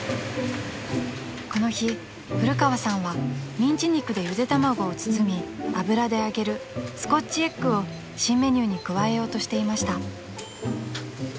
［この日古川さんはミンチ肉でゆで卵を包み油で揚げるスコッチエッグを新メニューに加えようとしていました］